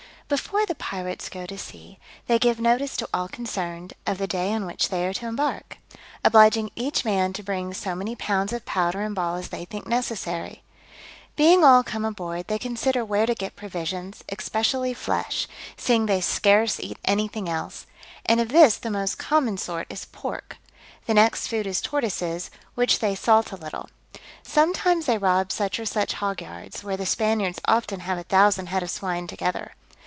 _ BEFORE the pirates go to sea, they give notice to all concerned, of the day on which they are to embark; obliging each man to bring so many pounds of powder and ball as they think necessary. Being all come aboard, they consider where to get provisions, especially flesh, seeing they scarce eat anything else; and of this the most common sort is pork; the next food is tortoises, which they salt a little: sometimes they rob such or such hog yards, where the Spaniards often have a thousand head of swine together.